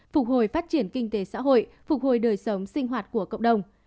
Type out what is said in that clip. phục hồi phát triển kinh tế xã hội phục hồi đời sống sinh hoạt của cộng đồng